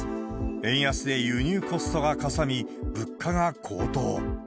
円安で輸入コストがかさみ、物価が高騰。